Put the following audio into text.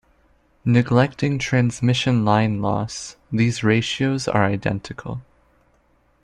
Neglecting transmission line loss, these ratios are identical.